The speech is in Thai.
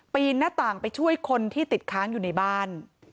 หน้าต่างไปช่วยคนที่ติดค้างอยู่ในบ้าน